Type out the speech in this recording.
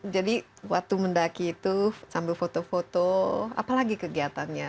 jadi waktu mendaki itu sambil foto foto apalagi kegiatannya